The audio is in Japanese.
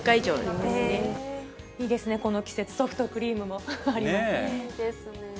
いいですね、この季節、ソフトクリームもありますし。